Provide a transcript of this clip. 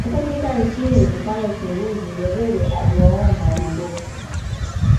walipofika nchini kufanya uchunguzi nyerere aliwaomba waondoke